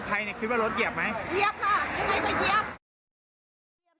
แล้วน้องคนที่หมาเมื่อกี้หลบไปแล้ว